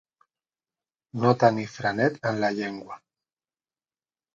No tenir frenet en la llengua.